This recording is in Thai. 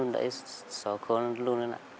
ได้๒คนลูกนั้นนะ